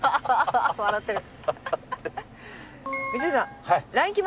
笑ってる。